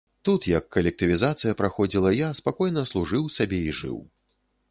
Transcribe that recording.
Тут, як калектывізацыя праходзіла, я спакойна служыў сабе і жыў.